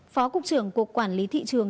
phó cục trưởng cục quản lý thị trường